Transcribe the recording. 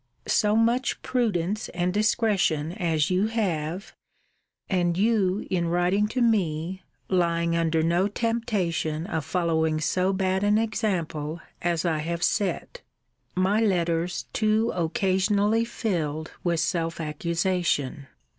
So much prudence and discretion as you have; and you, in writing to me, lying under no temptation of following so bad an example as I have set my letters too occasionally filled with self accusation.